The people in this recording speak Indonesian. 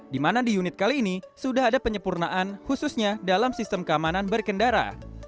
di mana di unit kali ini sudah ada penyempurnaan khususnya dalam sistem keamanan berkendara